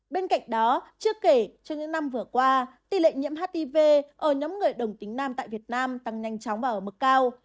bên cạnh đó chưa kể trong những năm vừa qua tỷ lệ nhiễm hiv ở nhóm người đồng tính nam tại việt nam tăng nhanh chóng và ở mức cao